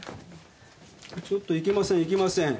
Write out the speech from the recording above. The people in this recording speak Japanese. ちょっといけませんいけません。